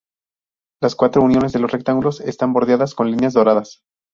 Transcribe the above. Las cuatro uniones de los rectángulos están bordeadas con líneas doradas.